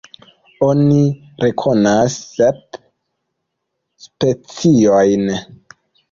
Oni rekonas sep speciojn.